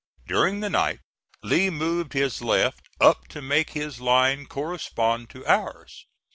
During the night Lee moved his left up to make his line correspond to ours.